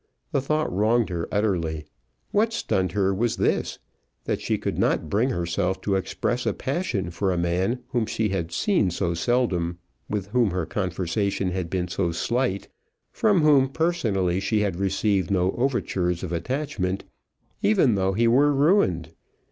The thought wronged her utterly. What stunned her was this, that she could not bring herself to express a passion for a man whom she had seen so seldom, with whom her conversation had been so slight, from whom personally she had received no overtures of attachment, even though he were ruined.